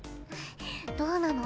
どうなの？